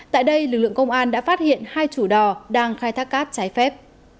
tại đây lực lượng công an đã phát hiện hai chủ đò đang khai thác cát trái phép